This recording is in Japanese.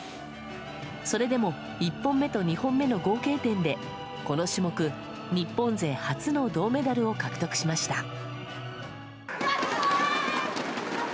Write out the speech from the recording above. それでも１本目と２本目の合計点でこの種目、日本勢初の銅メダルを獲得しました。